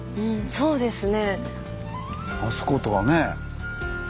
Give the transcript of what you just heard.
そうですね。